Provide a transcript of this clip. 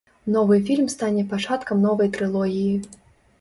Новы фільм стане пачаткам новай трылогіі.